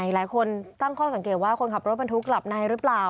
หลายคนตั้งข้อสังเกตว่าคนขับรถบรรทุกหลับในหรือเปล่า